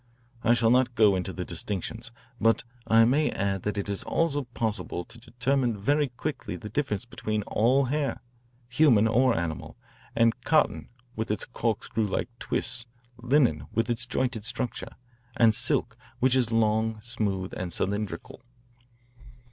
I shall not go into the distinctions, but I may add that it is also possible to determine very quickly the difference between all hair, human or animal, and cotton with its corkscrew like twists, linen with its jointed structure, and silk, which is long, smooth, and cylindrical."